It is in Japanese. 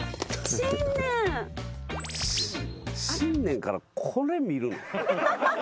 新年からこれ見るの？